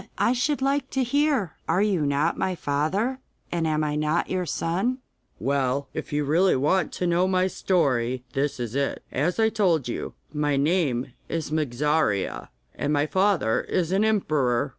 I should like to hear. Are you not my father, and am I not your son?' 'Well, if you really want to know my story, this is it: As I told you, my name is Mogarzea, and my father is an emperor.